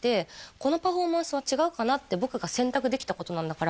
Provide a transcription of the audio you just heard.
「このパフォーマンスは違うかなって僕が選択できたことなんだから」